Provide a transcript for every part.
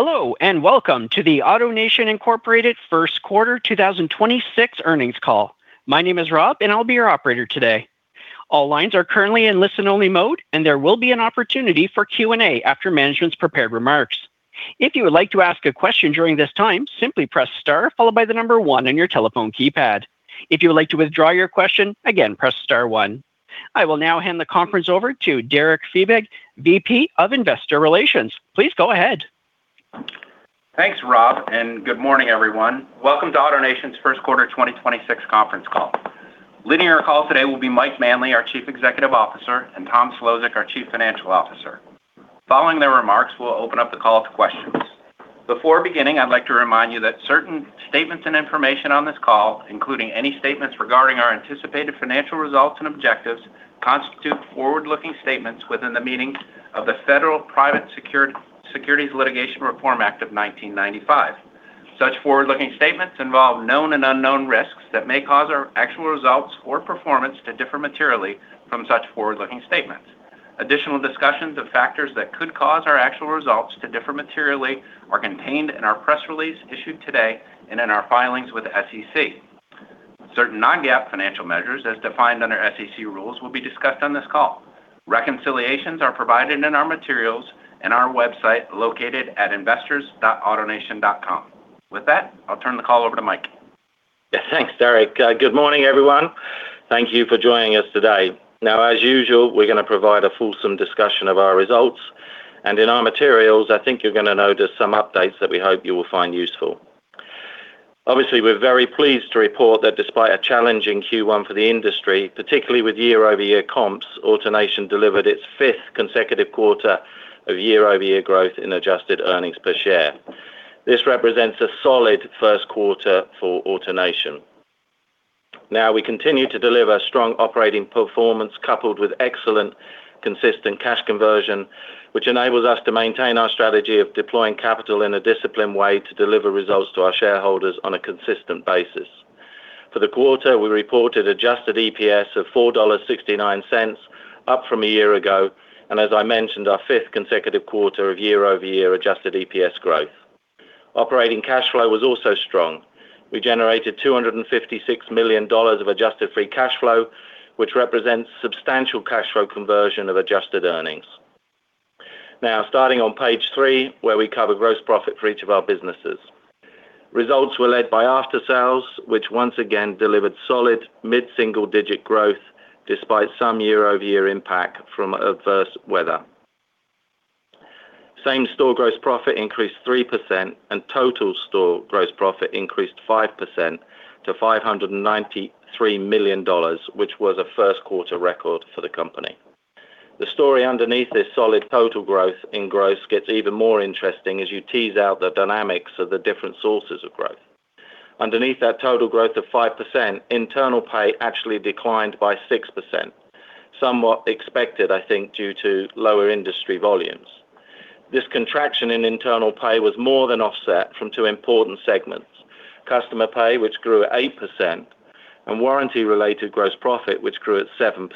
Hello, and welcome to the AutoNation, Incorporated first quarter 2026 earnings call. My name is Rob and I'll be your operator today. All lines are currently in listen-only mode, and there will be an opportunity for Q&A after management's prepared remarks. If you would like to ask a question during this time, simply press star followed by the number one on your telephone keypad. If you would like to withdraw your question, again, press star one. I will now hand the conference over to Derek Fiebig, VP of Investor Relations. Please go ahead. Thanks, Rob. Good morning, everyone. Welcome to AutoNation's first quarter 2026 conference call. Leading our call today will be Mike Manley, our Chief Executive Officer, and Tom Szlosek, our Chief Financial Officer. Following their remarks, we'll open up the call to questions. Before beginning, I'd like to remind you that certain statements and information on this call, including any statements regarding our anticipated financial results and objectives, constitute forward-looking statements within the meaning of the Federal Private Securities Litigation Reform Act of 1995. Such forward-looking statements involve known and unknown risks that may cause our actual results or performance to differ materially from such forward-looking statements. Additional discussions of factors that could cause our actual results to differ materially are contained in our press release issued today and in our filings with the SEC. Certain non-GAAP financial measures as defined under SEC rules will be discussed on this call. Reconciliations are provided in our materials in our website located at investors.autonation.com. With that, I'll turn the call over to Mike. Yeah, thanks, Derek. Good morning, everyone. Thank you for joining us today. As usual, we're gonna provide a fulsome discussion of our results. In our materials, I think you're gonna notice some updates that we hope you will find useful. Obviously, we're very pleased to report that despite a challenging Q1 for the industry, particularly with year-over-year comps, AutoNation delivered its fifth consecutive quarter of year-over-year growth in adjusted earnings per share. This represents a solid first quarter for AutoNation. We continue to deliver strong operating performance coupled with excellent consistent cash conversion, which enables us to maintain our strategy of deploying capital in a disciplined way to deliver results to our shareholders on a consistent basis. For the quarter, we reported adjusted EPS of $4.69, up from a year ago, as I mentioned, our fifth consecutive quarter of year-over-year adjusted EPS growth. Operating cash flow was also strong. We generated $256 million of adjusted free cash flow, which represents substantial cash flow conversion of adjusted earnings. Starting on page three, where we cover gross profit for each of our businesses. Results were led by After-Sales, which once again delivered solid mid-single-digit growth despite some year-over-year impact from adverse weather. Same-store gross profit increased 3%, total store gross profit increased 5% to $593 million, which was a first quarter record for the company. The story underneath this solid total growth in gross gets even more interesting as you tease out the dynamics of the different sources of growth. Underneath that total growth of 5%, internal pay actually declined by 6%, somewhat expected, I think, due to lower industry volumes. This contraction in internal pay was more than offset from two important segments: customer pay, which grew 8%, and warranty-related gross profit, which grew at 7%.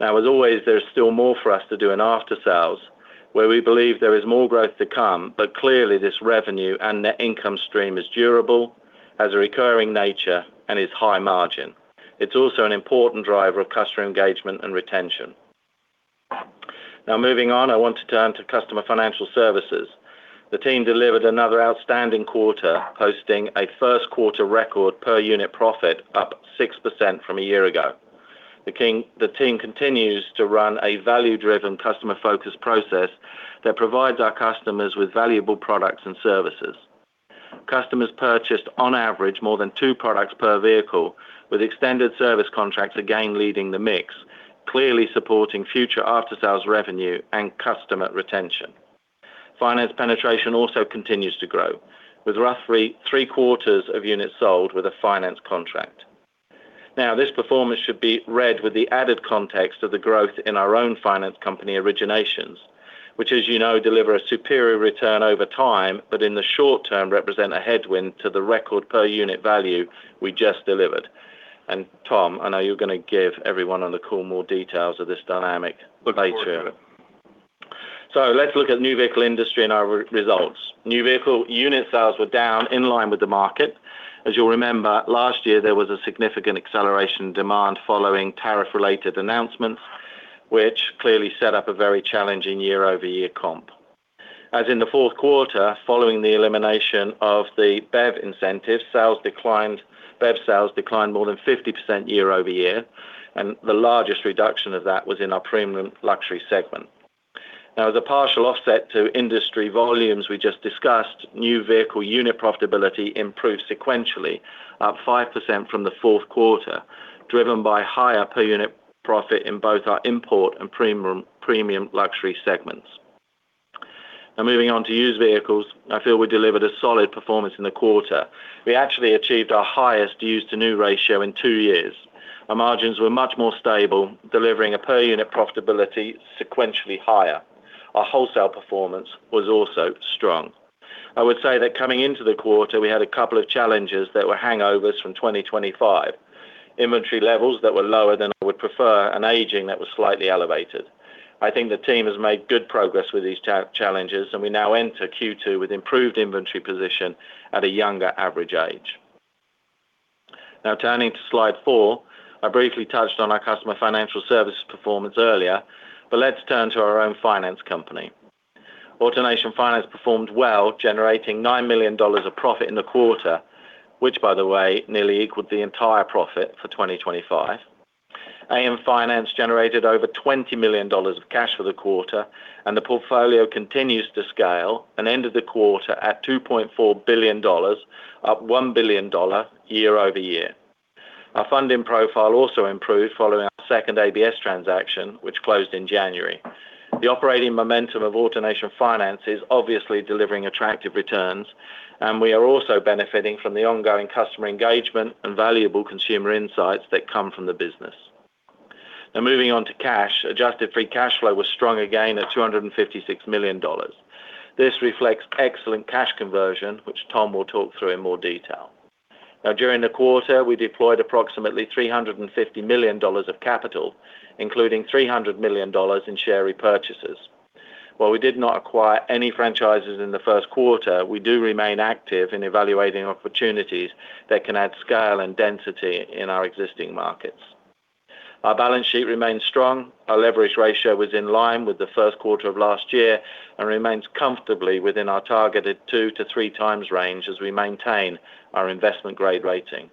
As always, there is still more for us to do in After-Sales, where we believe there is more growth to come, but clearly this revenue and net income stream is durable, has a recurring nature, and is high margin. It's also an important driver of customer engagement and retention. Moving on, I want to turn to Customer Financial Services. The team delivered another outstanding quarter, hosting a first quarter record per unit profit up 6% from a year ago. The team continues to run a value-driven, customer-focused process that provides our customers with valuable products and services. Customers purchased on average more than two products per vehicle, with extended service contracts again leading the mix, clearly supporting future After-Sales revenue and customer retention. Finance penetration also continues to grow, with roughly three quarters of units sold with a finance contract. Now, this performance should be read with the added context of the growth in our own finance company originations, which, as you know, deliver a superior return over time, but in the short term represent a headwind to the record per unit value we just delivered. Tom, I know you're gonna give everyone on the call more details of this dynamic later. Look forward to it. Let's look at new vehicle industry and our results. New vehicle unit sales were down in line with the market. As you'll remember, last year there was a significant acceleration demand following tariff-related announcements, which clearly set up a very challenging year-over-year comp. As in the fourth quarter, following the elimination of the BEV incentive, BEV sales declined more than 50% year-over-year, and the largest reduction of that was in our premium luxury segment. The partial offset to industry volumes we just discussed, new vehicle unit profitability improved sequentially, up 5% from the fourth quarter, driven by higher per unit profit in both our import and premium luxury segments. Moving on to used vehicles, I feel we delivered a solid performance in the quarter. We actually achieved our highest used-to-new ratio in two years. Our margins were much more stable, delivering a per unit profitability sequentially higher. Our wholesale performance was also strong. I would say that coming into the quarter, we had a couple of challenges that were hangovers from 2025. Inventory levels that were lower than I would prefer and aging that was slightly elevated. I think the team has made good progress with these challenges, and we now enter Q2 with improved inventory position at a younger average age. Turning to slide four, I briefly touched on our Customer Financial Services performance earlier, but let's turn to our own finance company. AutoNation Finance performed well, generating $9 million of profit in the quarter, which by the way, nearly equaled the entire profit for 2025. AN Finance generated over $20 million of cash for the quarter, and the portfolio continues to scale and ended the quarter at $2.4 billion, up $1 billion year-over-year. Our funding profile also improved following our second ABS transaction, which closed in January. The operating momentum of AutoNation Finance is obviously delivering attractive returns, and we are also benefiting from the ongoing customer engagement and valuable consumer insights that come from the business. Moving on to cash, adjusted free cash flow was strong again at $256 million. This reflects excellent cash conversion, which Tom will talk through in more detail. During the quarter, we deployed approximately $350 million of capital, including $300 million in share repurchases. While we did not acquire any franchises in the first quarter, we do remain active in evaluating opportunities that can add scale and density in our existing markets. Our balance sheet remains strong. Our leverage ratio was in line with the first quarter of last year and remains comfortably within our targeted 2 to 3 times range as we maintain our investment grade rating.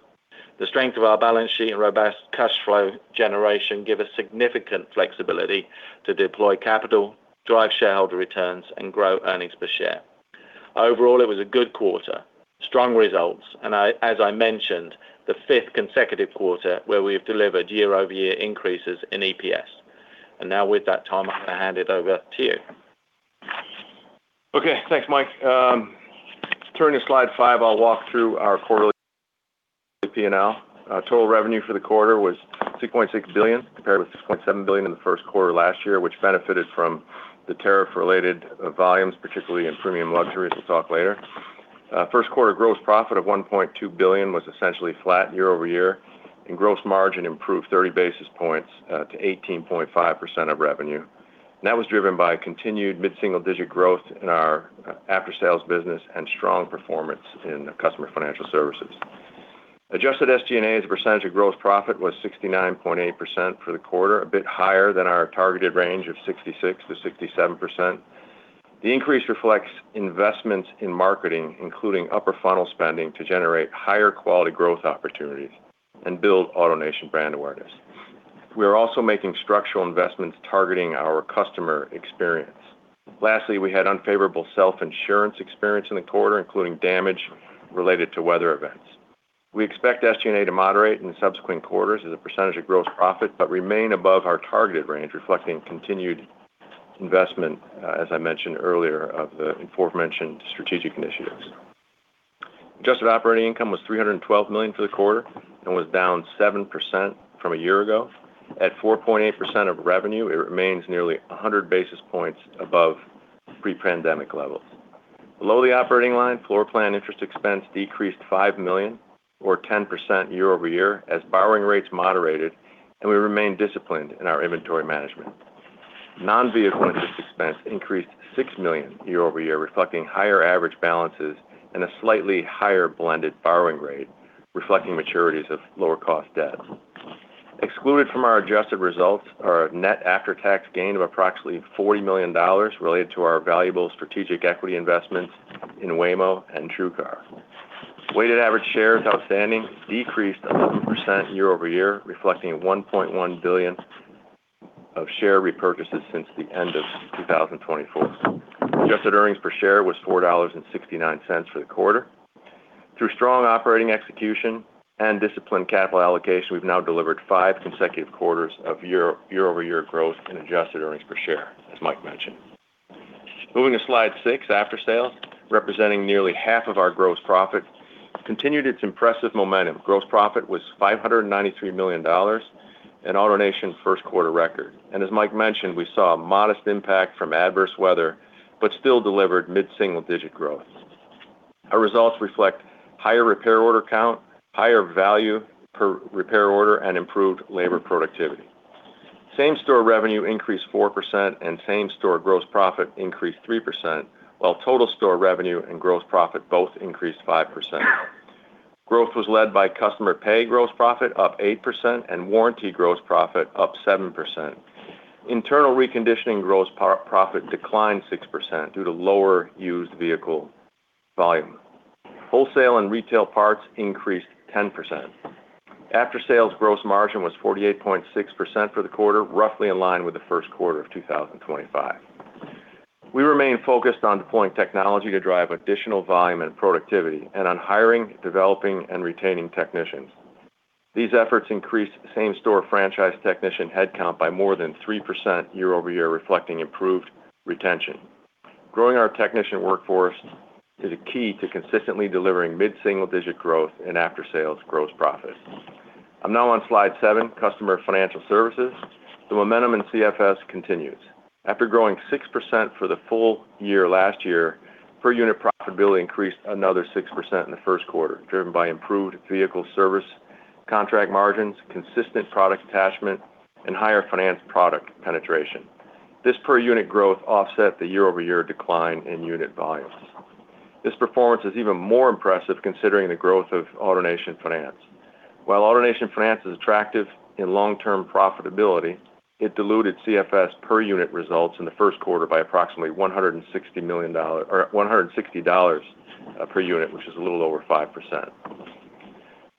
The strength of our balance sheet and robust cash flow generation give us significant flexibility to deploy capital, drive shareholder returns and grow earnings per share. Overall, it was a good quarter. Strong results and as I mentioned, the fifth consecutive quarter where we have delivered year-over-year increases in EPS. Now with that, Tom, I'm gonna hand it over to you. Okay, thanks, Mike. Turning to slide five, I'll walk through our quarterly P&L. Our total revenue for the quarter was $6.6 billion, compared with $6.7 billion in the first quarter last year, which benefited from the tariff-related volumes, particularly in premium luxury, as we'll talk later. First quarter gross profit of $1.2 billion was essentially flat year-over-year, gross margin improved 30 basis points to 18.5% of revenue. That was driven by continued mid-single digit growth in our After-Sales business and strong performance in Customer Financial Services. Adjusted SG&A as a percentage of gross profit was 69.8% for the quarter, a bit higher than our targeted range of 66%-67%. The increase reflects investments in marketing, including upper funnel spending to generate higher quality growth opportunities and build AutoNation brand awareness. We are also making structural investments targeting our customer experience. Lastly, we had unfavorable self-insurance experience in the quarter, including damage related to weather events. We expect SG&A to moderate in subsequent quarters as a percentage of gross profit, but remain above our targeted range, reflecting continued investment, as I mentioned earlier, of the aforementioned strategic initiatives. Adjusted operating income was $312 million for the quarter and was down 7% from a year ago. At 4.8% of revenue, it remains nearly 100 basis points above pre-pandemic levels. Below the operating line, floorplan interest expense decreased $5 million, or 10% year-over-year, as borrowing rates moderated and we remained disciplined in our inventory management. Non-vehicle interest expense increased $6 million year-over-year, reflecting higher average balances and a slightly higher blended borrowing rate, reflecting maturities of lower cost debt. Excluded from our adjusted results are a net after-tax gain of approximately $40 million related to our valuable strategic equity investments in Waymo and TrueCar. Weighted average shares outstanding decreased 11% year-over-year, reflecting $1.1 billion of share repurchases since the end of 2024. Adjusted earnings per share was $4.69 for the quarter. Through strong operating execution and disciplined capital allocation, we've now delivered five consecutive quarters of year-over-year growth in adjusted earnings per share, as Mike mentioned. Moving to slide six, After-Sales, representing nearly half of our gross profit, continued its impressive momentum. Gross profit was $593 million, an AutoNation first quarter record. As Mike mentioned, we saw a modest impact from adverse weather, but still delivered mid-single digit growth. Our results reflect higher repair order count, higher value per repair order, and improved labor productivity. Same-store revenue increased 4% and same-store gross profit increased 3%, while total store revenue and gross profit both increased 5%. Growth was led by customer pay gross profit up 8% and warranty gross profit up 7%. Internal reconditioning gross profit declined 6% due to lower used vehicle volume. Wholesale and retail parts increased 10%. After-Sales gross margin was 48.6% for the quarter, roughly in line with the first quarter of 2025. We remain focused on deploying technology to drive additional volume and productivity and on hiring, developing, and retaining technicians. These efforts increased same-store franchise technician headcount by more than 3% year-over-year, reflecting improved retention. Growing our technician workforce is a key to consistently delivering mid-single digit growth in After-Sales gross profit. I'm now on slide seven, Customer Financial Services. The momentum in CFS continues. After growing 6% for the full year last year, per unit profitability increased another 6% in the first quarter, driven by improved vehicle service contract margins, consistent product attachment, and higher finance product penetration. This per unit growth offset the year-over-year decline in unit volumes. This performance is even more impressive considering the growth of AutoNation Finance. While AutoNation Finance is attractive in long-term profitability, it diluted CFS per unit results in the first quarter by approximately $160 per unit which is a little over 5%.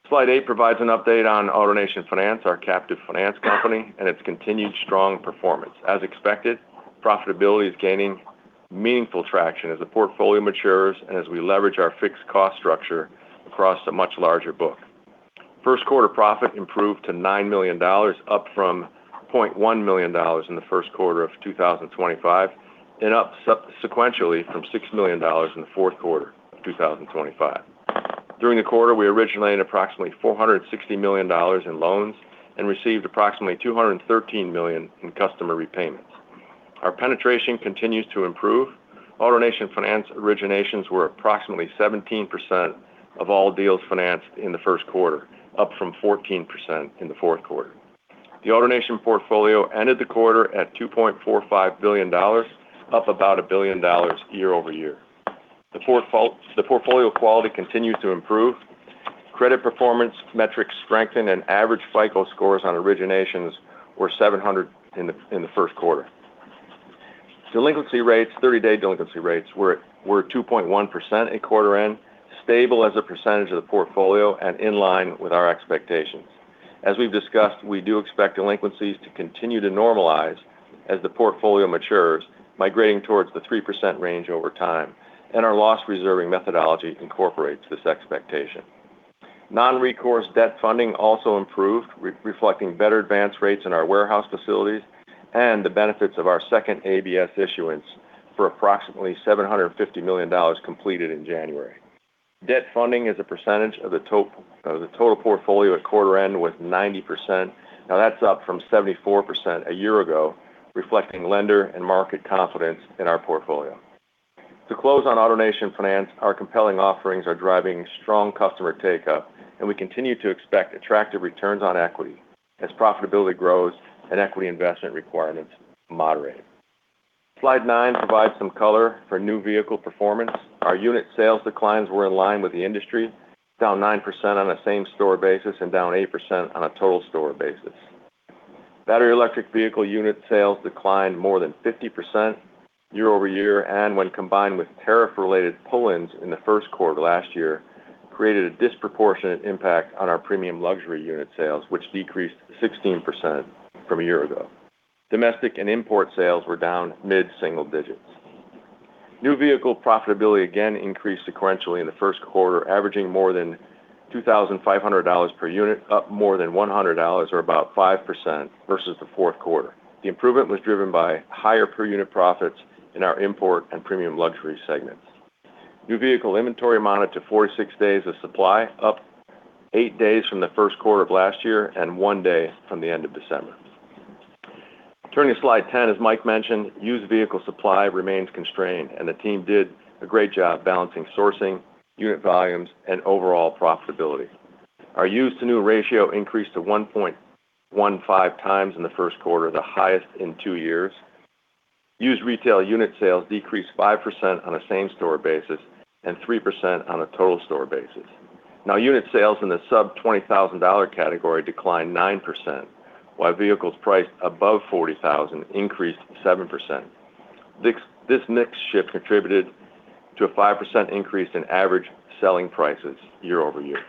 Slide eight provides an update on AutoNation Finance, our captive finance company, and its continued strong performance. As expected, profitability is gaining meaningful traction as the portfolio matures and as we leverage our fixed cost structure across a much larger book. First quarter profit improved to $9 million, up from $0.1 million in the first quarter of 2025, and up sub-sequentially from $6 million in the fourth quarter of 2025. During the quarter, we originated approximately $460 million in loans and received approximately $213 million in customer repayments. Our penetration continues to improve. AutoNation Finance originations were approximately 17% of all deals financed in the first quarter, up from 14% in the fourth quarter. The AutoNation portfolio ended the quarter at $2.45 billion, up about $1 billion year-over-year. The portfolio quality continues to improve. Credit performance metrics strengthened and average FICO scores on originations were 700 in the first quarter. Delinquency rates, 30-day delinquency rates were 2.1% at quarter end, stable as a percentage of the portfolio and in line with our expectations. As we've discussed, we do expect delinquencies to continue to normalize as the portfolio matures, migrating towards the 3% range over time, and our loss reserving methodology incorporates this expectation. Non-recourse debt funding also improved, reflecting better advance rates in our warehouse facilities and the benefits of our second ABS issuance for approximately $750 million completed in January. Debt funding as a percentage of the total portfolio at quarter end was 90%. That's up from 74% a year ago, reflecting lender and market confidence in our portfolio. To close on AutoNation Finance, our compelling offerings are driving strong customer take-up, and we continue to expect attractive returns on equity as profitability grows and equity investment requirements moderate. Slide nine provides some color for new vehicle performance. Our unit sales declines were in line with the industry, down 9% on a same store basis and down 8% on a total store basis. Battery electric vehicle unit sales declined more than 50% year-over-year, and when combined with tariff-related pull-ins in the first quarter last year, created a disproportionate impact on our premium luxury unit sales, which decreased 16% from a year ago. Domestic and import sales were down mid-single digits. New vehicle profitability again increased sequentially in the first quarter, averaging more than $2,500 per unit, up more than $100 or about 5% versus the fourth quarter. The improvement was driven by higher per unit profits in our import and premium luxury segments. New vehicle inventory amounted to 46 days of supply, up eight days from the first quarter of last year and one day from the end of December. Turning to slide 10, as Mike mentioned, used vehicle supply remains constrained, and the team did a great job balancing sourcing, unit volumes, and overall profitability. Our used-to-new ratio increased to 1.15 times in the first quarter, the highest in two years. Used retail unit sales decreased 5% on a same-store basis and 3% on a total store basis. Unit sales in the sub $20,000 category declined 9%, while vehicles priced above $40,000 increased 7%. This mix shift contributed to a 5% increase in average selling prices year-over-year.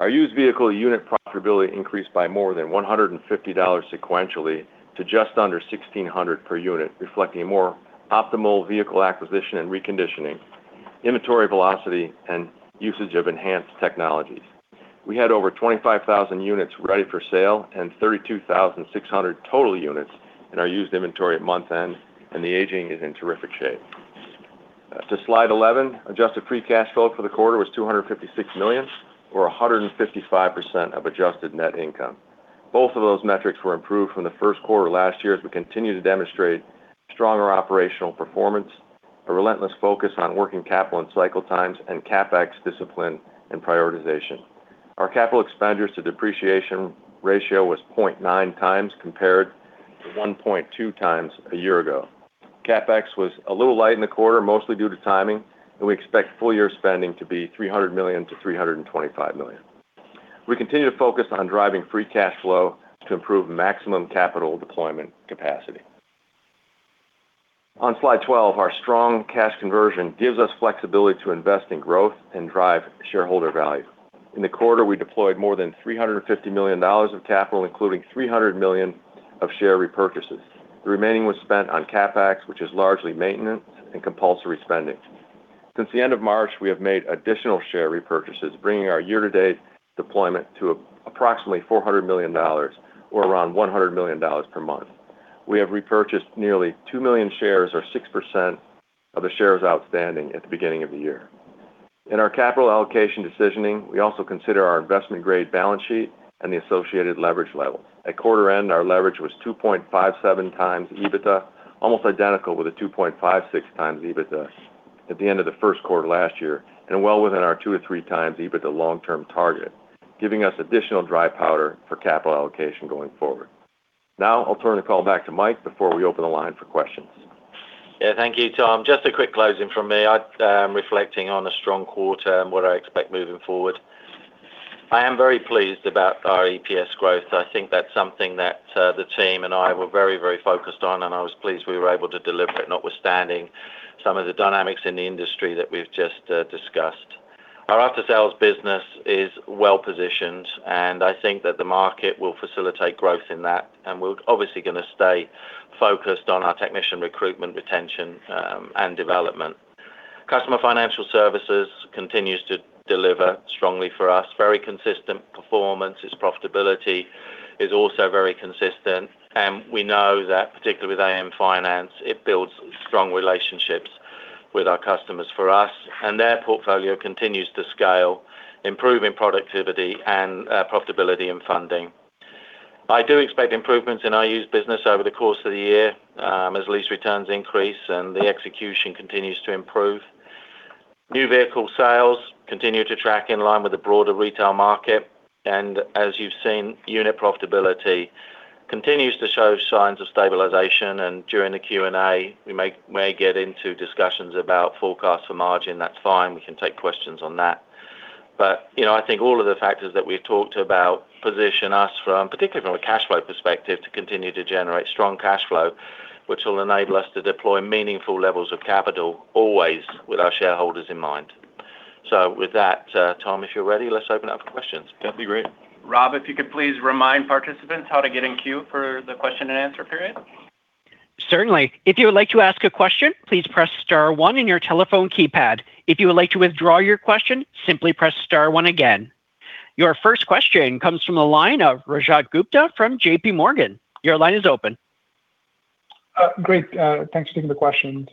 Our used vehicle unit profitability increased by more than $150 sequentially to just under 1,600 per unit, reflecting a more optimal vehicle acquisition and reconditioning, inventory velocity, and usage of enhanced technologies. We had over 25,000 units ready for sale and 32,600 total units in our used inventory at month-end, the aging is in terrific shape. To slide 11, adjusted free cash flow for the quarter was $256 million or 155% of adjusted net income. Both of those metrics were improved from the first quarter last year as we continue to demonstrate stronger operational performance, a relentless focus on working capital and cycle times, and CapEx discipline and prioritization. Our capital expenditures to depreciation ratio was 0.9 times compared to 1.2 times a year ago. CapEx was a little light in the quarter, mostly due to timing, and we expect full year spending to be $300 million-$325 million. We continue to focus on driving free cash flow to improve maximum capital deployment capacity. On slide 12, our strong cash conversion gives us flexibility to invest in growth and drive shareholder value. In the quarter, we deployed more than $350 million of capital, including $300 million of share repurchases. The remaining was spent on CapEx, which is largely maintenance and compulsory spending. Since the end of March, we have made additional share repurchases, bringing our year-to-date deployment to approximately $400 million or around $100 million per month. We have repurchased nearly 2 million shares or 6% of the shares outstanding at the beginning of the year. In our capital allocation decisioning, we also consider our investment-grade balance sheet and the associated leverage level. At quarter end, our leverage was 2.57 times EBITDA, almost identical with the 2.56 times EBITDA at the end of the first quarter last year and well within our 2 times-3 times EBITDA long-term target, giving us additional dry powder for capital allocation going forward. Now I'll turn the call back to Mike before we open the line for questions. Yeah, thank you, Tom. Just a quick closing from me. I, reflecting on a strong quarter and what I expect moving forward. I am very pleased about our EPS growth. I think that's something that the team and I were very, very focused on. I was pleased we were able to deliver it, notwithstanding some of the dynamics in the industry that we've just discussed. Our After-Sales business is well-positioned. I think that the market will facilitate growth in that. We're obviously gonna stay focused on our technician recruitment, retention, and development. Customer Financial Services continues to deliver strongly for us. Very consistent performance. Its profitability is also very consistent. We know that particularly with AN Finance, it builds strong relationships with our customers for us, and their portfolio continues to scale, improving productivity and profitability and funding. I do expect improvements in our used business over the course of the year, as lease returns increase and the execution continues to improve. New vehicle sales continue to track in line with the broader retail market. As you've seen, unit profitability continues to show signs of stabilization. During the Q&A, we may get into discussions about forecast for margin. That's fine. We can take questions on that. You know, I think all of the factors that we've talked about position us from, particularly from a cash flow perspective, to continue to generate strong cash flow, which will enable us to deploy meaningful levels of capital always with our shareholders in mind. With that, Tom, if you're ready, let's open up for questions. That'd be great. Rob, if you could please remind participants how to get in queue for the question and answer period. Certainly. If you would like to ask a question please press star one on your telephone keypad. If you would like to withdraw your question, simply press star one again. Your first question comes from the line of Rajat Gupta from JPMorgan. Your line is open. Great. Thanks for taking the questions.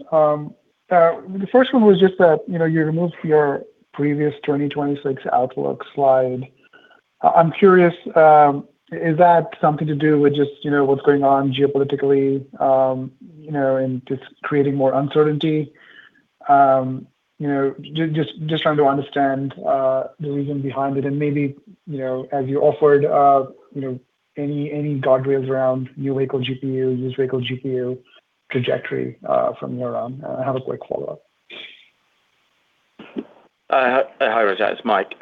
The first one was just that, you know, you removed your previous 2026 outlook slide. I'm curious, is that something to do with just, you know, what's going on geopolitically, you know, and just creating more uncertainty? You know, just trying to understand the reason behind it and maybe, you know, as you offered, you know, any guardrails around new vehicle GPU, used vehicle GPU trajectory from your end? I have a quick follow-up. Hi, Rajat, it's Mike.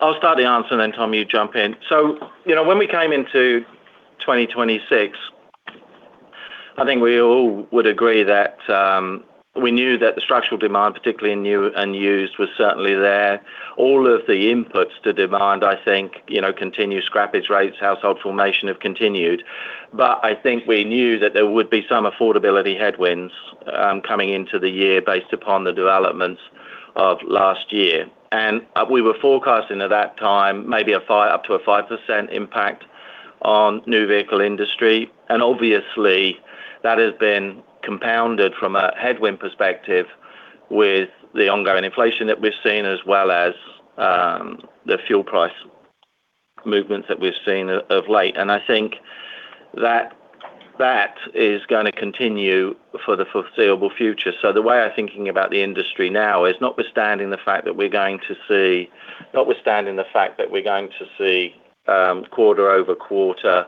I'll start the answer, then Tom, you jump in. You know, when we came into 2026, I think we all would agree that we knew that the structural demand, particularly in new and used, was certainly there. All of the inputs to demand, I think, you know, continued scrappage rates, household formation have continued. I think we knew that there would be some affordability headwinds coming into the year based upon the developments of last year. We were forecasting at that time maybe up to a 5% impact on new vehicle industry. Obviously, that has been compounded from a headwind perspective with the ongoing inflation that we've seen, as well as, the fuel price movements that we've seen of late. I think that that is gonna continue for the foreseeable future. The way I'm thinking about the industry now is notwithstanding the fact that we're going to see quarter-over-quarter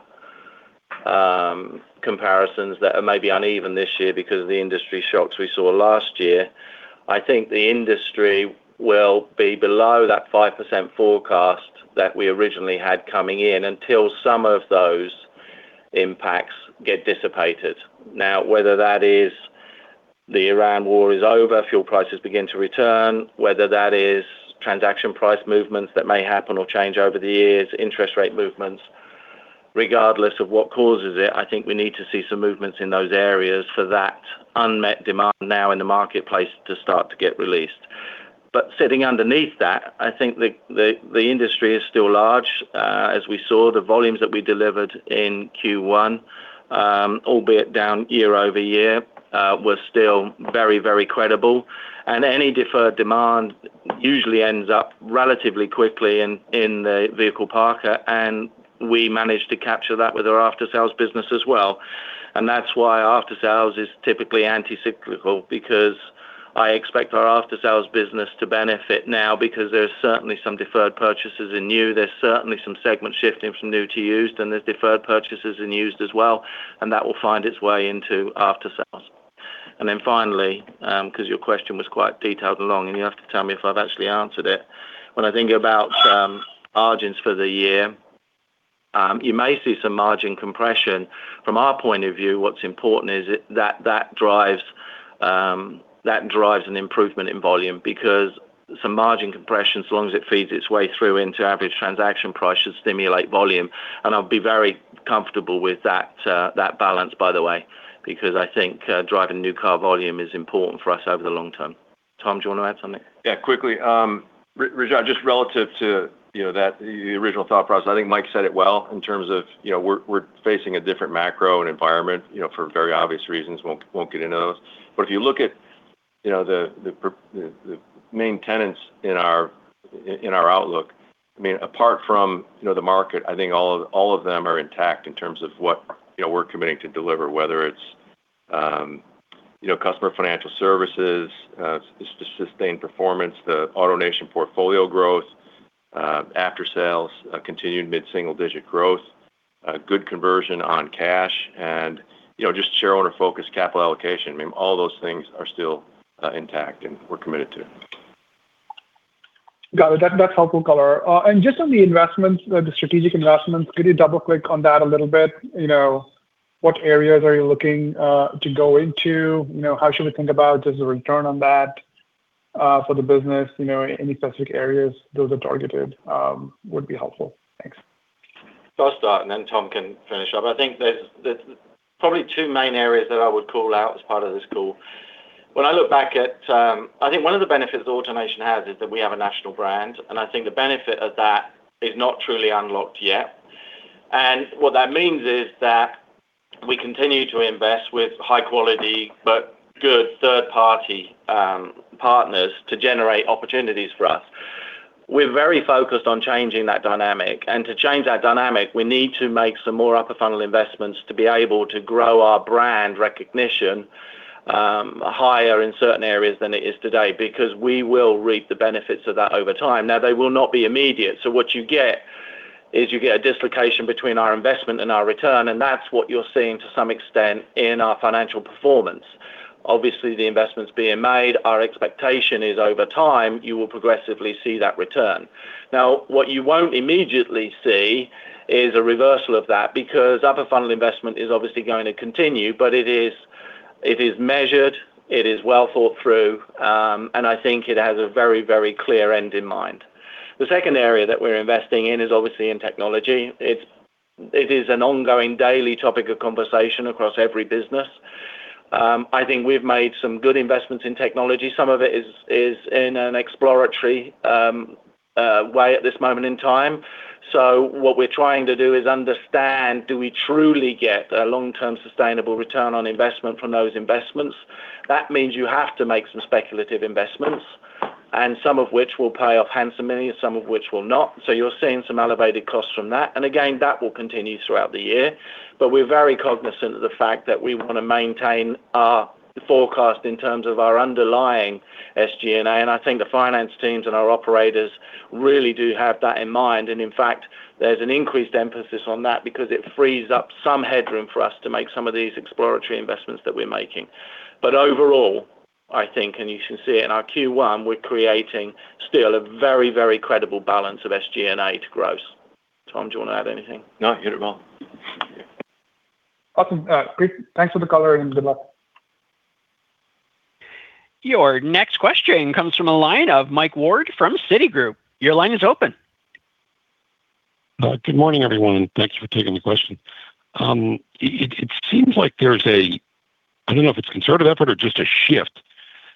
comparisons that are maybe uneven this year because of the industry shocks we saw last year, I think the industry will be below that 5% forecast that we originally had coming in until some of those impacts get dissipated. Whether that is the Iran war is over, fuel prices begin to return, whether that is transaction price movements that may happen or change over the years, interest rate movements, regardless of what causes it, I think we need to see some movements in those areas for that unmet demand now in the marketplace to start to get released. Sitting underneath that, I think the industry is still large. As we saw, the volumes that we delivered in Q1, albeit down year-over-year, were still very credible. Any deferred demand usually ends up relatively quickly in the vehicle park, and we managed to capture that with our After-Sales business as well. That's why After-Sales is typically anti-cyclical because I expect our After-Sales business to benefit now because there's certainly some deferred purchases in new. There's certainly some segment shifting from new to used, and there's deferred purchases in used as well, and that will find its way into After-Sales. Finally, 'cause your question was quite detailed and long, and you have to tell me if I've actually answered it. When I think about margins for the year, you may see some margin compression. From our point of view, what's important is that drives an improvement in volume because some margin compression, so long as it feeds its way through into Average Transaction Price, should stimulate volume. I'll be very comfortable with that balance, by the way, because I think driving new car volume is important for us over the long term. Tom, do you want to add something? Yeah, quickly. Rajat, just relative to, you know, that, the original thought process. I think Mike said it well in terms of, you know, we're facing a different macro and environment, you know, for very obvious reasons. Won't get into those. If you look at, you know, the main tenants in our outlook, I mean, apart from, you know, the market, I think all of them are intact in terms of what, you know, we're committing to deliver, whether it's, you know, Customer Financial Services, sustained performance, the AutoNation portfolio growth, After-Sales, continued mid-single digit growth, a good conversion on cash and, you know, just shareholder focus, capital allocation. I mean, all those things are still intact and we're committed to. Got it. That's helpful color. Just on the investments, the strategic investments, could you double-click on that a little bit? You know, what areas are you looking to go into? You know, how should we think about just the return on that for the business? You know, any specific areas those are targeted would be helpful. Thanks. I'll start, and then Tom can finish up. I think there's probably two main areas that I would call out as part of this call. When I look back at, I think one of the benefits AutoNation has is that we have a national brand, and I think the benefit of that is not truly unlocked yet. What that means is that we continue to invest with high quality, but good third-party partners to generate opportunities for us. We're very focused on changing that dynamic. To change that dynamic, we need to make some more upper funnel investments to be able to grow our brand recognition higher in certain areas than it is today, because we will reap the benefits of that over time. They will not be immediate. What you get is you get a dislocation between our investment and our return, and that's what you're seeing to some extent in our financial performance. Obviously, the investments being made, our expectation is over time, you will progressively see that return. What you won't immediately see is a reversal of that, because upper funnel investment is obviously going to continue, but it is, it is measured, it is well thought through, and I think it has a very, very clear end in mind. The second area that we're investing in is obviously in technology. It is an ongoing daily topic of conversation across every business. I think we've made some good investments in technology. Some of it is in an exploratory way at this moment in time. What we're trying to do is understand, do we truly get a long-term sustainable return on investment from those investments? That means you have to make some speculative investments, some of which will pay off handsomely, some of which will not. You're seeing some elevated costs from that. Again, that will continue throughout the year. We're very cognizant of the fact that we want to maintain our forecast in terms of our underlying SG&A. I think the finance teams and our operators really do have that in mind. In fact, there's an increased emphasis on that because it frees up some headroom for us to make some of these exploratory investments that we're making. Overall, I think, and you can see it in our Q1, we're creating still a very, very credible balance of SG&A to gross. Tom, do you want to add anything? No, you hit it well. Awesome. Great. Thanks for the color and good luck. Your next question comes from a line of Mike Ward from Citigroup. Your line is open. Good morning, everyone. Thanks for taking the question. It seems like there's I don't know if it's a concerted effort or just a shift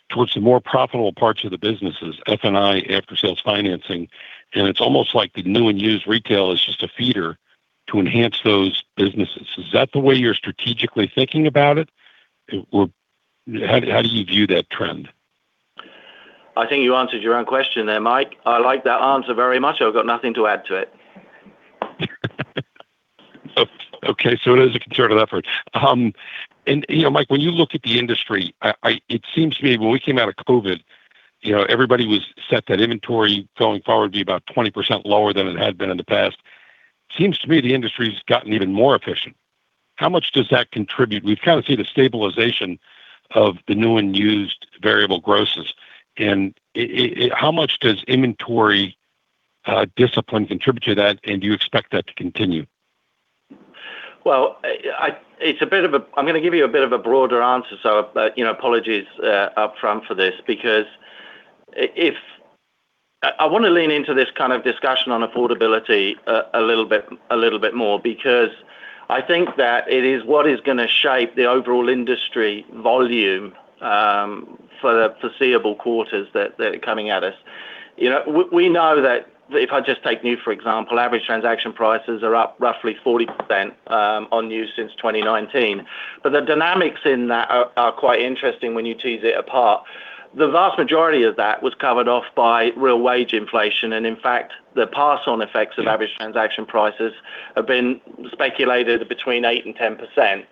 towards the more profitable parts of the businesses, F&I, After-Sales, financing, and it's almost like the new and used retail is just a feeder to enhance those businesses. Is that the way you're strategically thinking about it? Or how do you view that trend? I think you answered your own question there, Mike. I like that answer very much. I've got nothing to add to it. Okay. It is a conservative effort. You know, Mike, when you look at the industry, I, it seems to me when we came out of COVID, you know, everybody was set that inventory going forward be about 20% lower than it had been in the past. It seems to me the industry's gotten even more efficient. How much does that contribute? We've kind of seen the stabilization of the new and used variable grosses. It, how much does inventory discipline contribute to that, and do you expect that to continue? I'm gonna give you a bit of a broader answer, you know, apologies up front for this. I wanna lean into this kind of discussion on affordability a little bit more because I think that it is what is gonna shape the overall industry volume for the foreseeable quarters that are coming at us. You know, we know that if I just take new, for example, Average Transaction Prices are up roughly 40% on new since 2019. The dynamics in that are quite interesting when you tease it apart. The vast majority of that was covered off by real wage inflation, and in fact, the pass on effects of Average Transaction Prices have been speculated between 8% and 10%.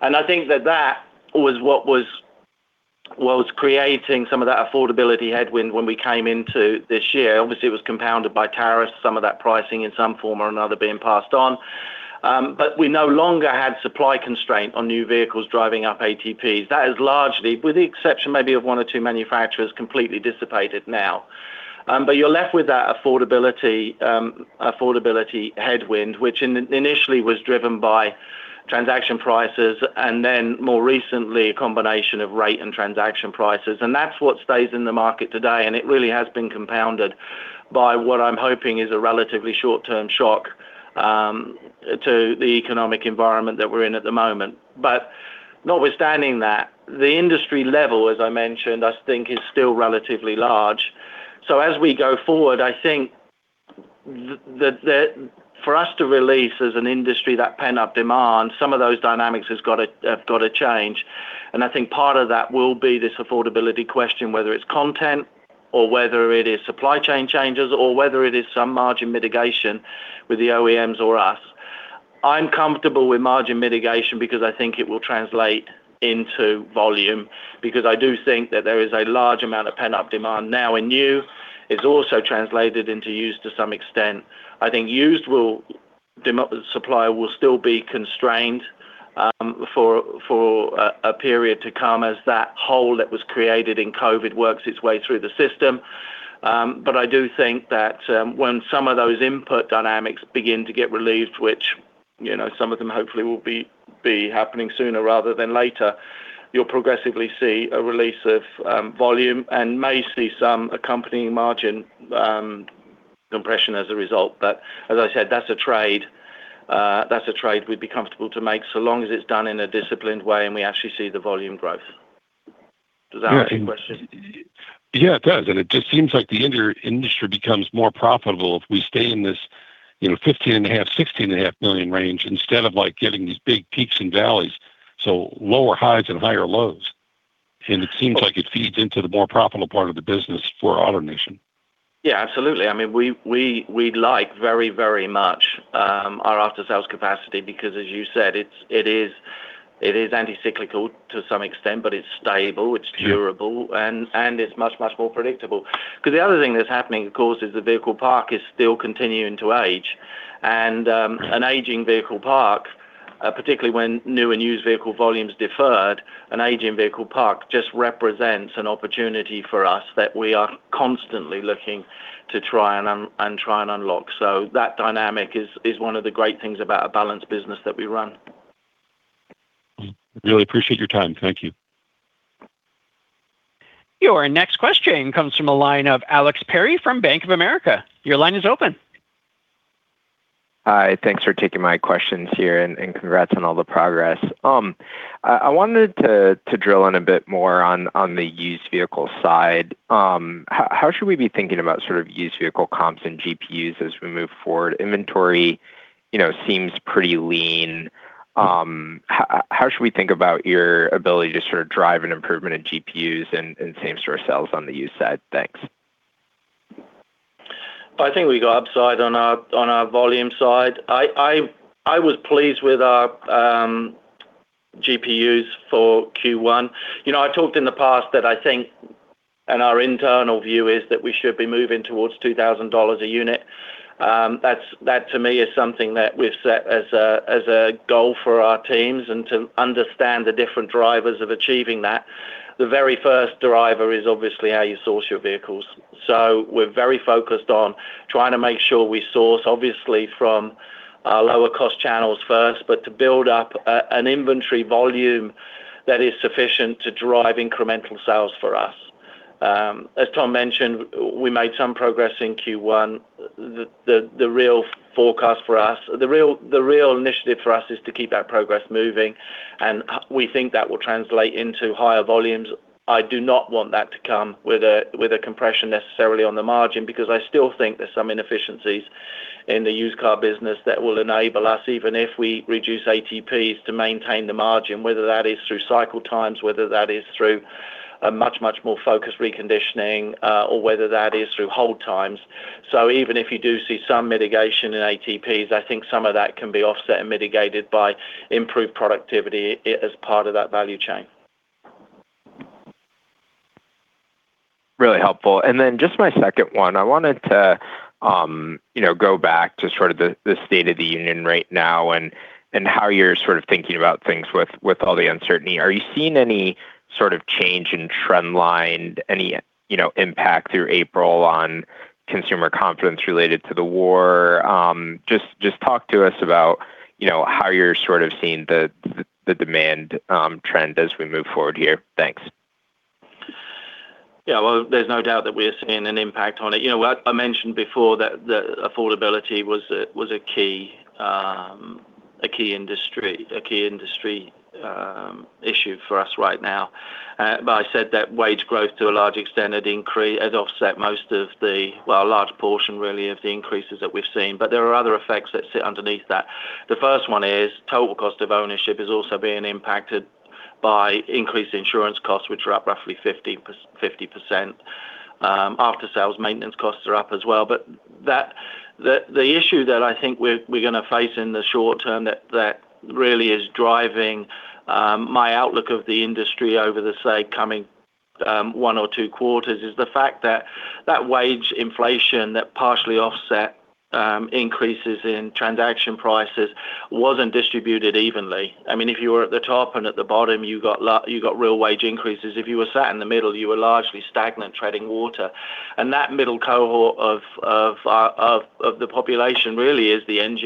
I think that that was what was creating some of that affordability headwind when we came into this year. Obviously, it was compounded by tariffs, some of that pricing in some form or another being passed on. We no longer had supply constraint on new vehicles driving up ATPs. That is largely, with the exception maybe of one or two manufacturers, completely dissipated now. You're left with that affordability affordability headwind, which initially was driven by transaction prices, and then more recently, a combination of rate and transaction prices, and that's what stays in the market today. It really has been compounded by what I'm hoping is a relatively short-term shock to the economic environment that we're in at the moment. Notwithstanding that, the industry level, as I mentioned, I think is still relatively large. As we go forward, I think that for us to release as an industry that pent-up demand, some of those dynamics has got to, have got to change. I think part of that will be this affordability question, whether it's content or whether it is supply chain changes, or whether it is some margin mitigation with the OEMs or us. I'm comfortable with margin mitigation because I think it will translate into volume, because I do think that there is a large amount of pent-up demand now in new. It's also translated into used to some extent. I think used supply will still be constrained for a period to come as that hole that was created in COVID works its way through the system. I do think that when some of those input dynamics begin to get relieved, which, you know, some of them hopefully will be happening sooner rather than later, you'll progressively see a release of volume and may see some accompanying margin compression as a result. As I said, that's a trade we'd be comfortable to make so long as it's done in a disciplined way and we actually see the volume growth. Does that answer your question? Yeah, it does. It just seems like the industry becomes more profitable if we stay in this, you know, $15.5 million-$16.5 million range instead of, like, getting these big peaks and valleys, so lower highs and higher lows. It seems like it feeds into the more profitable part of the business for AutoNation. Yeah, absolutely. I mean, we like very, very much, our After-Sales capacity because as you said, it is anti-cyclical to some extent, but it's stable, it's durable. Sure. It's much, much more predictable. The other thing that's happening, of course, is the vehicle park is still continuing to age. An aging vehicle park, particularly when new and used vehicle volumes deferred, an aging vehicle park just represents an opportunity for us that we are constantly looking to try and unlock. That dynamic is one of the great things about a balanced business that we run. Really appreciate your time. Thank you. Your next question comes from the line of Alex Perry from Bank of America. Your line is open. Hi. Thanks for taking my questions here, and congrats on all the progress. I wanted to drill in a bit more on the used vehicle side. How should we be thinking about sort of used vehicle comps and GPUs as we move forward? Inventory, you know, seems pretty lean. How should we think about your ability to sort of drive an improvement in GPUs and same-store sales on the used side? Thanks. I think we go upside on our, on our volume side. I was pleased with our GPUs for Q1. You know, I talked in the past that I think, and our internal view is that we should be moving towards $2,000 a unit. That to me is something that we've set as a goal for our teams and to understand the different drivers of achieving that. The very first driver is obviously how you source your vehicles. We're very focused on trying to make sure we source, obviously, from our lower cost channels first, but to build up an inventory volume that is sufficient to drive incremental sales for us. As Tom mentioned, we made some progress in Q1. The real forecast for us, the real initiative for us is to keep our progress moving, and we think that will translate into higher volumes. I do not want that to come with a, with a compression necessarily on the margin because I still think there's some inefficiencies in the used car business that will enable us, even if we reduce ATPs, to maintain the margin, whether that is through cycle times, whether that is through a much more focused reconditioning, or whether that is through hold times. Even if you do see some mitigation in ATPs, I think some of that can be offset and mitigated by improved productivity as part of that value chain. Really helpful. Just my second one, I wanted to, you know, go back to sort of the state of the union right now and how you're sort of thinking about things with all the uncertainty. Are you seeing any sort of change in trend line, any, you know, impact through April on consumer confidence related to the war? Just talk to us about, you know, how you're sort of seeing the demand trend as we move forward here. Thanks. Yeah. Well, there's no doubt that we're seeing an impact on it. You know, I mentioned before that the affordability was a key industry issue for us right now. I said that wage growth to a large extent had offset most of the, well, a large portion really of the increases that we've seen. There are other effects that sit underneath that. The first one is total cost of ownership is also being impacted by increased insurance costs, which are up roughly 50%. After-Sales maintenance costs are up as well. The issue that I think we're gonna face in the short term that really is driving my outlook of the industry over the, say, coming, one or two quarters is the fact that that wage inflation that partially offset increases in transaction prices wasn't distributed evenly. I mean, if you were at the top and at the bottom, you got real wage increases. If you were sat in the middle, you were largely stagnant, treading water. That middle cohort of the population really is the engine.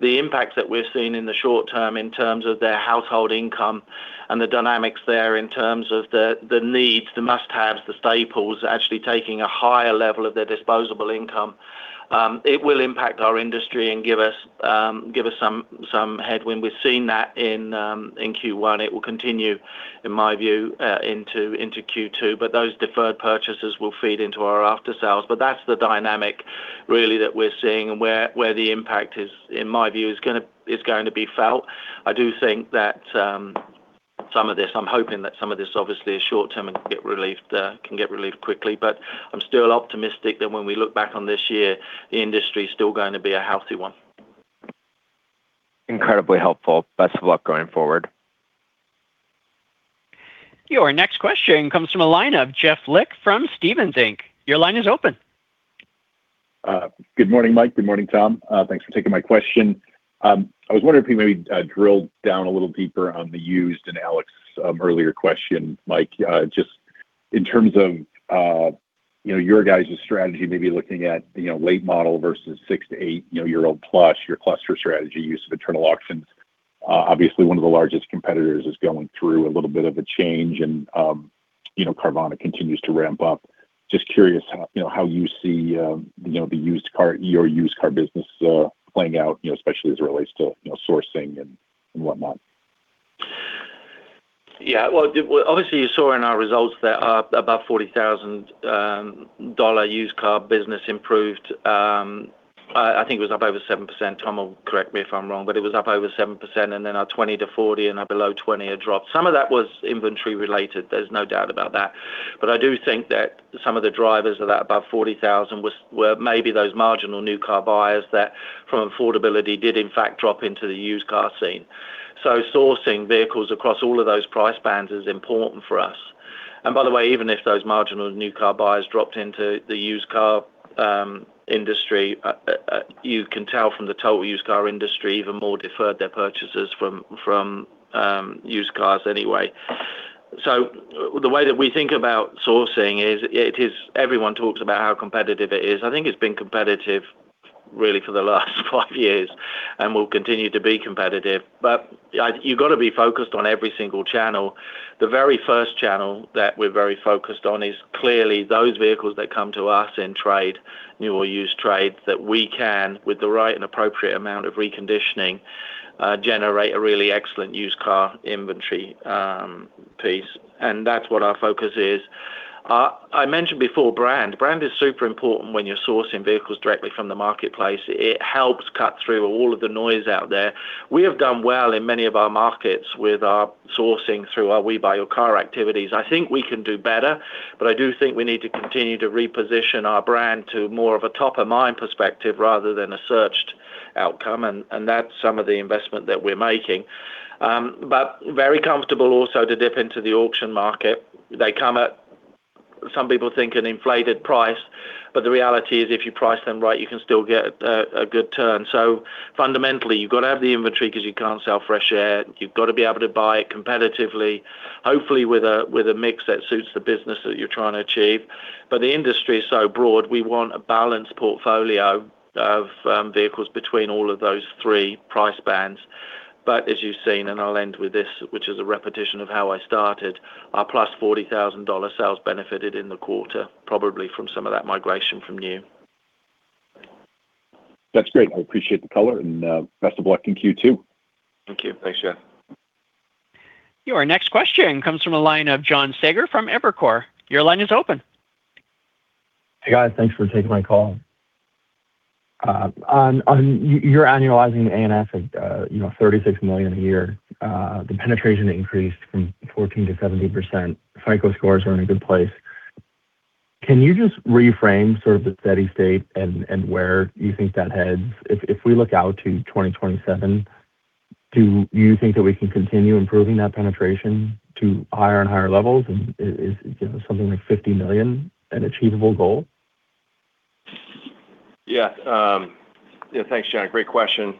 The impact that we're seeing in the short term in terms of their household income and the dynamics there in terms of the needs, the must-haves, the staples actually taking a higher level of their disposable income, it will impact our industry and give us some headwind. We've seen that in Q1. It will continue, in my view, into Q2, but those deferred purchases will feed into our After-Sales. That's the dynamic really that we're seeing and where the impact is, in my view, is going to be felt. I do think that some of this, I'm hoping that some of this obviously is short term and can get relieved quickly. I'm still optimistic that when we look back on this year, the industry is still going to be a healthy one. Incredibly helpful. Best of luck going forward. Your next question comes from the line of Jeff Lick from Stephens Inc.. Your line is open. Good morning, Mike. Good morning, Tom. Thanks for taking my question. I was wondering if you maybe drilled down a little deeper on the used in Alex's earlier question, Mike. Just in terms of, you know, your guys' strategy, maybe looking at, you know, late model versus six to eight, you know, year-old plus, your cluster strategy use of internal auctions. Obviously one of the largest competitors is going through a little bit of a change and, you know, Carvana continues to ramp up. Just curious, you know, how you see, you know, the used car, your used car business, playing out, you know, especially as it relates to, you know, sourcing and whatnot. Yeah. Well, obviously you saw in our results that our above $40,000 used car business improved. I think it was up over 7%. Tom will correct me if I'm wrong, but it was up over 7% and then our $20,000-$40,000 and our below $20,000 had dropped. Some of that was inventory related, there's no doubt about that. I do think that some of the drivers of that above $40,000 was, were maybe those marginal new car buyers that from affordability did in fact drop into the used car scene. Sourcing vehicles across all of those price bands is important for us. By the way, even if those marginal new car buyers dropped into the used car industry, you can tell from the total used car industry even more deferred their purchases from used cars anyway. The way that we think about sourcing is it is everyone talks about how competitive it is. I think it's been competitive really for the last five years and will continue to be competitive. You've got to be focused on every single channel. The very first channel that we're very focused on is clearly those vehicles that come to us in trade, new or used trade, that we can with the right and appropriate amount of reconditioning, generate a really excellent used car inventory piece. That's what our focus is. I mentioned before brand. Brand is super important when you're sourcing vehicles directly from the marketplace. It helps cut through all of the noise out there. We have done well in many of our markets with our sourcing through our We Buy Your Car activities. I think we can do better, but I do think we need to continue to reposition our brand to more of a top-of-mind perspective rather than a searched outcome, and that's some of the investment that we're making. Very comfortable also to dip into the auction market. They come at, some people think an inflated price, but the reality is if you price them right, you can still get a good turn. Fundamentally, you've got to have the inventory because you can't sell fresh air. You've got to be able to buy it competitively, hopefully with a, with a mix that suits the business that you're trying to achieve. The industry is so broad, we want a balanced portfolio of vehicles between all of those three price bands. As you've seen, and I'll end with this, which is a repetition of how I started, our plus $40,000 sales benefited in the quarter, probably from some of that migration from new. That's great. I appreciate the color and best of luck in Q2. Thank you. Thanks, Jeff. Your next question comes from a line of John Saager from Evercore. Your line is open. Hey, guys. Thanks for taking my call. On your annualizing ANF at, you know, $36 million a year. The penetration increased from 14% to 17%. FICO scores are in a good place. Can you just reframe sort of the steady state and where you think that heads? If we look out to 2027, do you think that we can continue improving that penetration to higher and higher levels? Is, you know, something like $50 million an achievable goal? Thanks, John. Great question.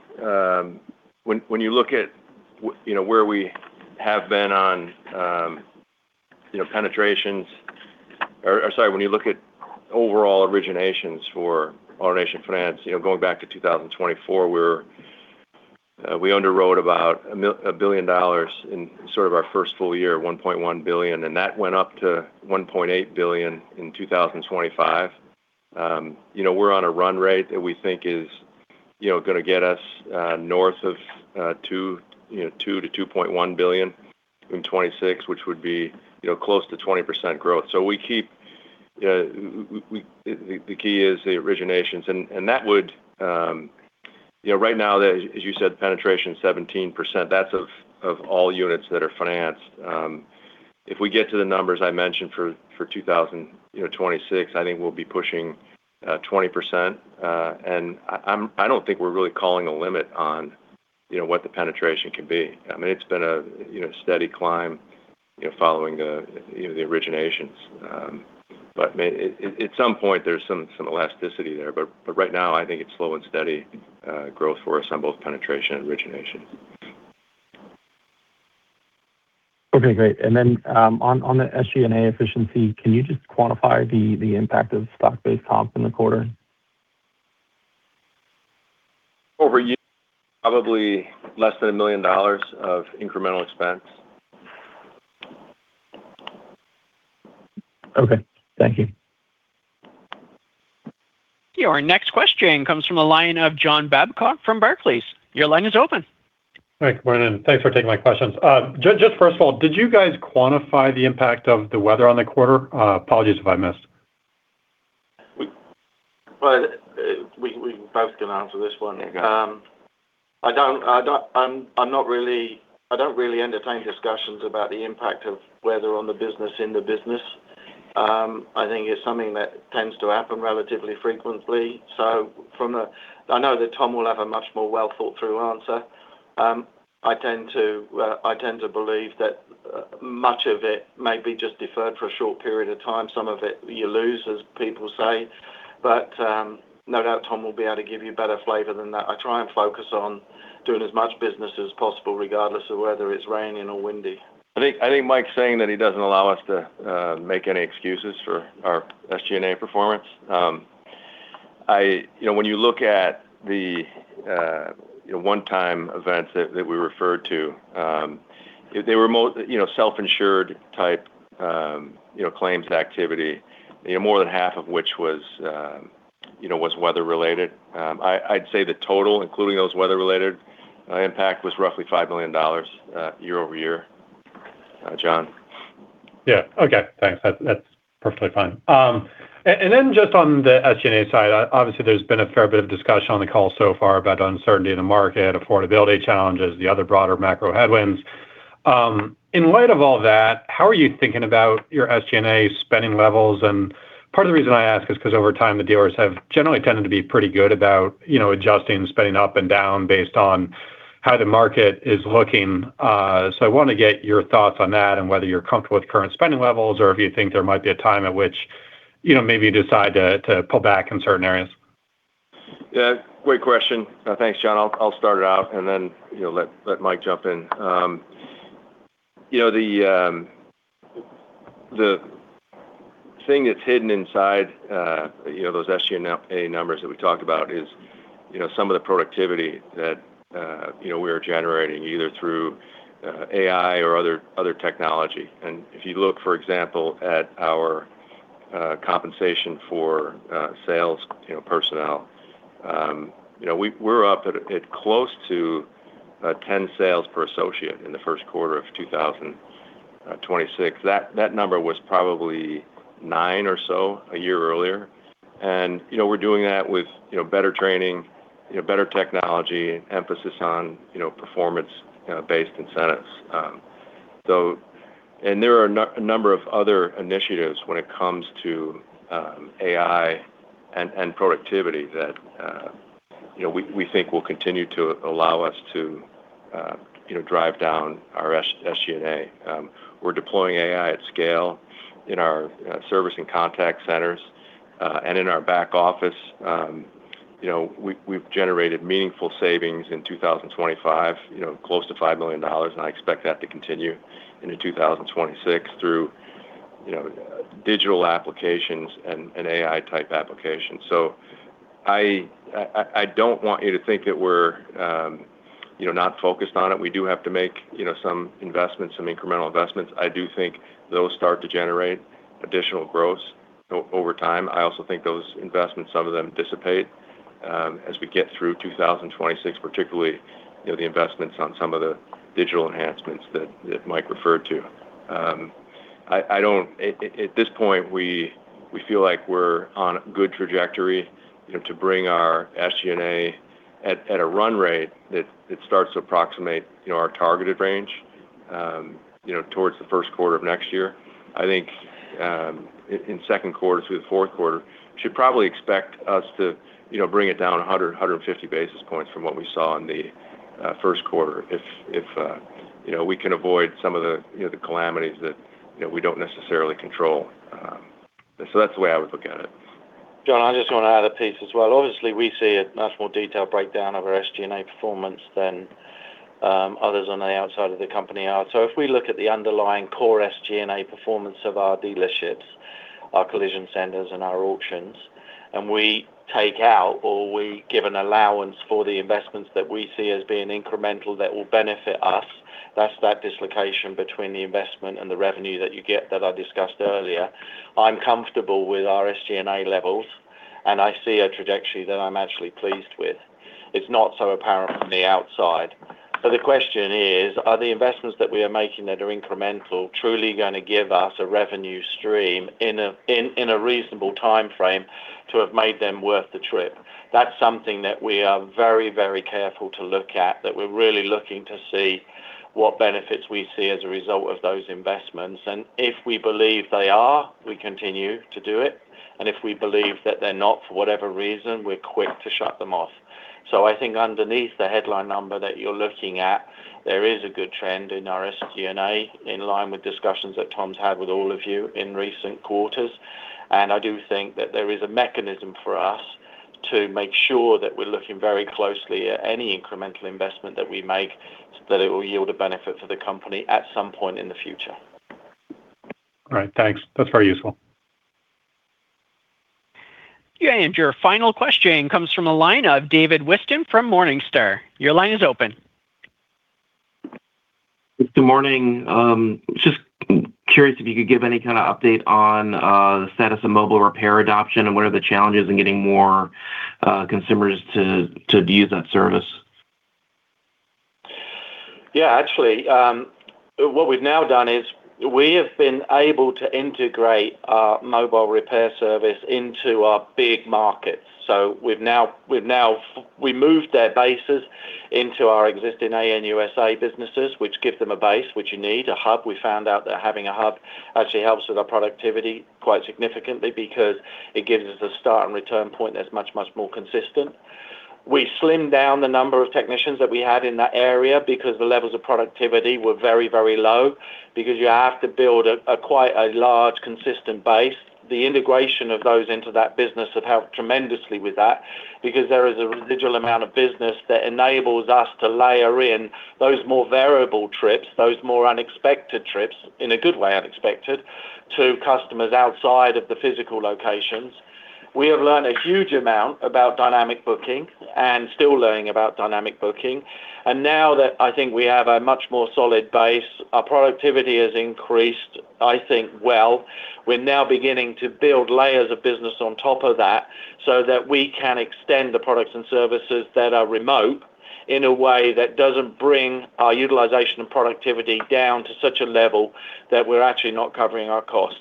When you look at, you know, where we have been on, you know, penetrations, or when you look at overall originations for AutoNation Finance, you know, going back to 2024, we underwrote about $1 billion in sort of our first full year, $1.1 billion, and that went up to $1.8 billion in 2025. You know, we're on a run rate that we think is, you know, gonna get us north of $2 billion-$2.1 billion in 2026, which would be, you know, close to 20% growth. We keep, the key is the originations. That would, you know, right now the, as you said, penetration 17%, that's of all units that are financed. If we get to the numbers I mentioned for 2026, I think we'll be pushing 20%. I don't think we're really calling a limit on, you know, what the penetration can be. I mean, it's been a, you know, steady climb, you know, following the, you know, the originations. At some point there's some elasticity there, but right now I think it's slow and steady growth for us on both penetration and origination. Okay, great. On the SG&A efficiency, can you just quantify the impact of stock-based comp in the quarter? Over probably less than $1 million of incremental expense. Okay. Thank you. Yeah. Our next question comes from the line of John Babcock from Barclays. Your line is open. Hi. Good morning. Thanks for taking my questions. Just first of all, did you guys quantify the impact of the weather on the quarter? Apologies if I missed. Well, we both can answer this one. Okay. I don't entertain discussions about the impact of weather on the business in the business. I think it's something that tends to happen relatively frequently. I know that Tom will have a much more well-thought-through answer. I tend to believe that much of it may be just deferred for a short period of time. Some of it you lose, as people say. No doubt Tom will be able to give you a better flavor than that. I try and focus on doing as much business as possible, regardless of whether it's raining or windy. I think Mike's saying that he doesn't allow us to make any excuses for our SG&A performance. You know, when you look at the, you know, one-time events that we referred to, they were you know, self-insured type, you know, claims activity. You know, more than half of which was, you know, was weather-related. I'd say the total, including those weather-related, impact was roughly $5 million year-over-year. John. Yeah. Okay. Thanks. That's perfectly fine. Then just on the SG&A side, obviously there's been a fair bit of discussion on the call so far about uncertainty in the market, affordability challenges, the other broader macro headwinds. In light of all that, how are you thinking about your SG&A spending levels? Part of the reason I ask is because over time, the dealers have generally tended to be pretty good about, you know, adjusting spending up and down based on how the market is looking. I want to get your thoughts on that and whether you're comfortable with current spending levels or if you think there might be a time at which, you know, maybe you decide to pull back in certain areas. Great question. Thanks, John. I'll start it out and then, you know, let Mike jump in. You know, the thing that's hidden inside, you know, those SG&A numbers that we talked about is, you know, some of the productivity that, you know, we are generating either through AI or other technology. If you look, for example, at our compensation for sales, you know, personnel, you know, we're up at close to 10 sales per associate in the first quarter of 2026. That number was probably nine or so a year earlier. You know, we're doing that with, you know, better training, you know, better technology, emphasis on, you know, performance based incentives. There are a number of other initiatives when it comes to AI and productivity that, you know, we think will continue to allow us to, you know, drive down our SG&A. We're deploying AI at scale in our service and contact centers and in our back office. You know, we've generated meaningful savings in 2025, you know, close to $5 million, and I expect that to continue into 2026 through, you know, digital applications and AI-type applications. I, I don't want you to think that we're, you know, not focused on it. We do have to make, you know, some investments, some incremental investments. I do think those start to generate additional growth over time. I also think those investments, some of them dissipate, as we get through 2026, particularly, you know, the investments on some of the digital enhancements that Mike referred to. At this point, we feel like we're on a good trajectory, you know, to bring our SG&A at a run rate that starts to approximate, you know, our targeted range, you know, towards the first quarter of next year. I think in second quarter through the fourth quarter, should probably expect us to, you know, bring it down 150 basis points from what we saw in the first quarter if, you know, we can avoid some of the, you know, the calamities that, you know, we don't necessarily control. That's the way I would look at it. John, I just wanna add a piece as well. Obviously, we see a much more detailed breakdown of our SG&A performance than others on the outside of the company are. If we look at the underlying core SG&A performance of our dealerships, our collision centers, and our auctions, and we take out or we give an allowance for the investments that we see as being incremental that will benefit us, that's that dislocation between the investment and the revenue that you get that I discussed earlier. I'm comfortable with our SG&A levels, and I see a trajectory that I'm actually pleased with. It's not so apparent from the outside. The question is: Are the investments that we are making that are incremental truly gonna give us a revenue stream in a reasonable timeframe to have made them worth the trip? That's something that we are very, very careful to look at, that we're really looking to see what benefits we see as a result of those investments. If we believe they are, we continue to do it, and if we believe that they're not, for whatever reason, we're quick to shut them off. I think underneath the headline number that you're looking at, there is a good trend in our SG&A in line with discussions that Tom's had with all of you in recent quarters. I do think that there is a mechanism for us to make sure that we're looking very closely at any incremental investment that we make, so that it will yield a benefit for the company at some point in the future. All right, thanks. That's very useful. Yeah, your final question comes from a line of David Whiston from Morningstar. Your line is open. Good morning. Just curious if you could give any kind of update on the status of mobile repair adoption and what are the challenges in getting more consumers to use that service? Actually, what we've now done is we have been able to integrate our mobile repair service into our big markets. We've now moved their bases into our existing ANUSA businesses, which give them a base, which you need, a hub. We found out that having a hub actually helps with our productivity quite significantly because it gives us a start and return point that's much, much more consistent. We slimmed down the number of technicians that we had in that area because the levels of productivity were very, very low. You have to build a quite a large consistent base. The integration of those into that business have helped tremendously with that because there is a residual amount of business that enables us to layer in those more variable trips, those more unexpected trips, in a good way unexpected, to customers outside of the physical locations. We have learned a huge amount about dynamic booking and still learning about dynamic booking. Now that I think we have a much more solid base, our productivity has increased, I think, well. We're now beginning to build layers of business on top of that so that we can extend the products and services that are remote in a way that doesn't bring our utilization and productivity down to such a level that we're actually not covering our costs.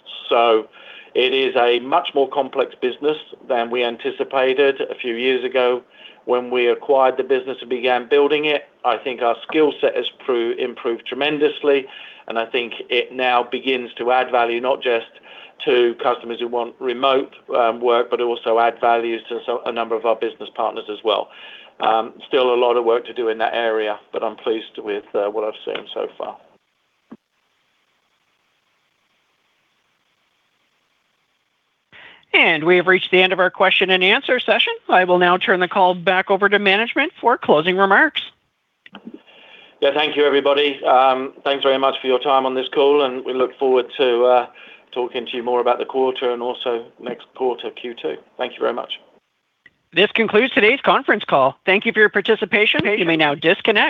It is a much more complex business than we anticipated a few years ago when we acquired the business and began building it. I think our skill set has improved tremendously, and I think it now begins to add value, not just to customers who want remote work, but also add values to a number of our business partners as well. Still a lot of work to do in that area, but I'm pleased with what I've seen so far. We have reached the end of our question and answer session. I will now turn the call back over to management for closing remarks. Yeah. Thank you, everybody. Thanks very much for your time on this call, and we look forward to talking to you more about the quarter and also next quarter, Q2. Thank you very much. This concludes today's conference call. Thank you for your participation. You may now disconnect.